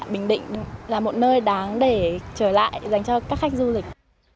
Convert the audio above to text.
bình định là một nơi đáng để trở lại dành cho các khách du lịch